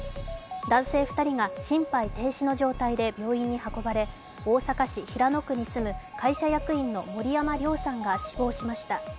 男性２人が心肺停止の状態で病院に運ばれ大阪市平野区に住む会社役員の森山亮さんが死亡しました。